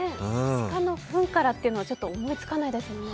鹿の糞からというのは思いつかないですね。